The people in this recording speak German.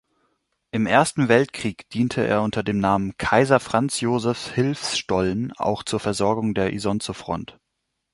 Im Ersten Weltkrieg diente er unter dem Namen Kaiser-Franz-Josef-Hilfsstollen auch zur Versorgung der Isonzofront.